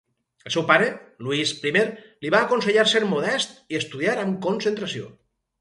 El seu pare, Luis I, li va aconsellar ser modest i estudiar amb concentració.